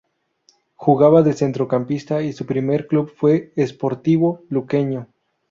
Jugaba de centrocampista y su primer club fue Sportivo Luqueño.